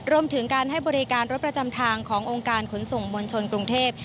รวมถึงการให้บริการรถประจำทางขององค์การขนส่งมวลชนกรุงเทพ